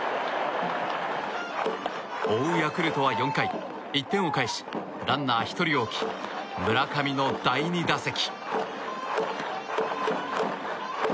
追うヤクルトは４回１点を返しランナー１人を置き村上の第２打席。